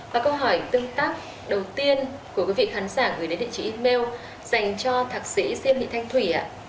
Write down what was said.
và câu hỏi tương tác đầu tiên của quý vị khán giả gửi đến địa chỉ email dành cho thạc sĩ siêu thị thanh thủy ạ